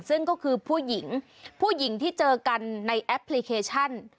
ซึ่งก็คือผู้หญิงผู้หญิงที่เจอกันในแอปพลิเคชัน